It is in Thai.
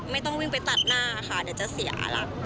ไม่ต้องวิ่งไปตัดหน้าค่ะเดี๋ยวจะเสียหลัก